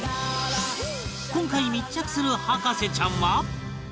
今回密着する博士ちゃんは